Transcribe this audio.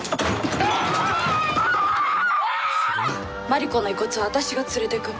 マリコの遺骨は私が連れてく。